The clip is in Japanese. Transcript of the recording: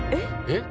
えっ？